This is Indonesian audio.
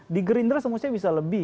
di gerindra semestinya bisa lebih